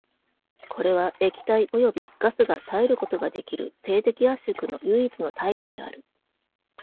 これは液体およびガスが耐えることができる静的圧縮の唯一のタイプである。